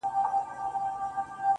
پروردگار به تهمت گرو ته سزا ورکوي~